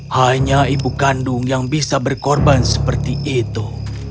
hanya ibu kandung yang bisa berkorban seperti itu